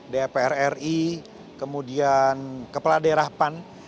dpr ri kemudian kepala daerah pan